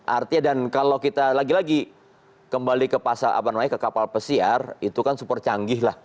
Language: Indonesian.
artinya dan kalau kita lagi lagi kembali ke pasar abang noaik ke kapal pesiar itu kan super canggih lah